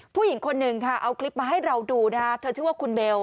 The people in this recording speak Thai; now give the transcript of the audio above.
ผู้หญิงคนหนึ่งค่ะเอาคลิปมาให้เราดูนะฮะเธอชื่อว่าคุณเบล